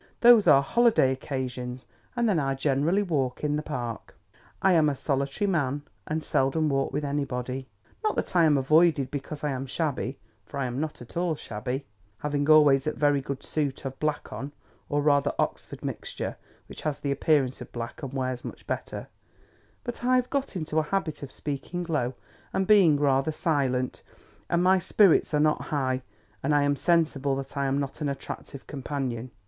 Those are holiday occasions, and then I generally walk in the Park. I am a solitary man, and seldom walk with anybody. Not that I am avoided because I am shabby; for I am not at all shabby, having always a very good suit of black on (or rather Oxford mixture, which has the appearance of black and wears much better); but I have got into a habit of speaking low, and being rather silent, and my spirits are not high, and I am sensible that I am not an attractive companion.